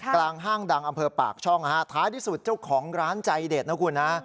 ห้างดังอำเภอปากช่องนะฮะท้ายที่สุดเจ้าของร้านใจเด็ดนะคุณฮะ